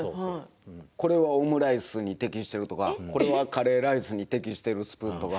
これはオムライスに適しているとか、これはカレーライスに適しているスプーンとか。